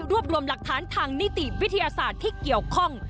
รวบรวมหลักฐานทางนิติวิทยาศาสตร์ที่เกี่ยวข้อง